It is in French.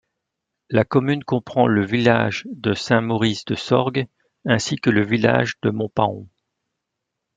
La commune comprend le village de Saint-Maurice-de-Sorgues ainsi que le village de Montpaon.